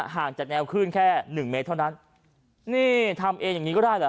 ห่างจากแนวขึ้นแค่หนึ่งเมตรเท่านั้นนี่ทำเองอย่างงี้ก็ได้เหรอ